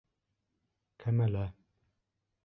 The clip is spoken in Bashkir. КӘМӘЛӘ